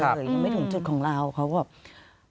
ยังไม่ถึงจุดของเราเขาแบบ